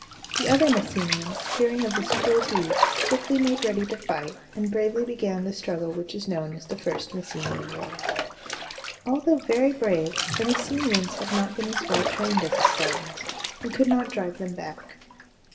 The other Messenians, hearing of this cruel deed, quickly made ready to fight, and bravely began the struggle which is known as the First Messenian War. Although very brave, the Messenians had not been as well trained as the Spartans, and could not drive them back.